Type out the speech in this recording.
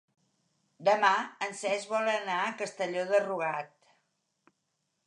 Demà en Cesc vol anar a Castelló de Rugat.